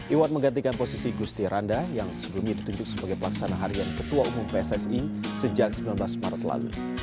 iwan menggantikan posisi gusti randa yang sebelumnya ditunjuk sebagai pelaksana harian ketua umum pssi sejak sembilan belas maret lalu